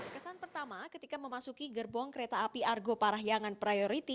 kesan pertama ketika memasuki gerbong kereta api argo parahyangan priority